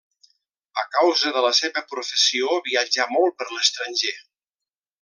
A causa de la seva professió viatjà molt per l'estranger.